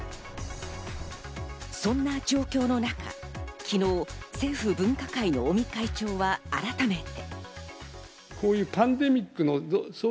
そんな状況の中、昨日、政府分科会の尾身会長は改めて。